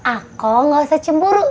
aku nggak usah cemburu